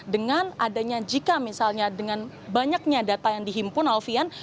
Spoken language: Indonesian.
dengan adanya jika misalnya dengan banyaknya data yang dihimpun alfian